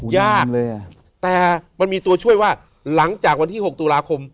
ยากเลยอ่ะแต่มันมีตัวช่วยว่าหลังจากวันที่๖ตุลาคม